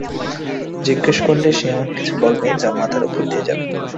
জিজ্ঞেস করলে সে এমনকিছু বলবে যা মাথার উপর দিয়ে যাবে।